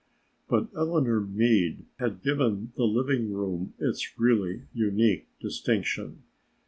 But Eleanor Meade had given the living room its really unique distinction.